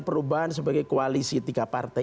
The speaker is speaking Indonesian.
perubahan sebagai koalisi tiga partai